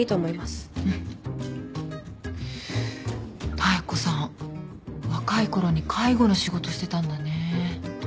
妙子さん若いころに介護の仕事してたんだね。